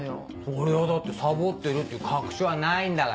それはだってサボってるっていう確証はないんだから。